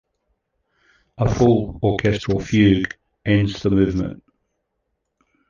A full orchestral fugue ends the movement.